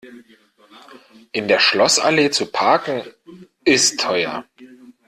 In der Schlossallee zu parken, ist teuer.